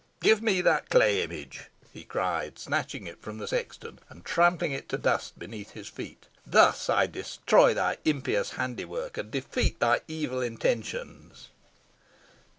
Give me that clay image," he cried, snatching it from the sexton, and trampling it to dust beneath his feet. "Thus I destroy thy impious handiwork, and defeat thy evil intentions."